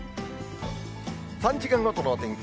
３時間ごとのお天気。